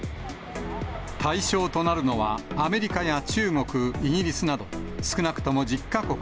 対象となるのはアメリカや中国、イギリスなど、少なくとも１０か国。